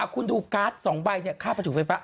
กูไม่ดื่มนะ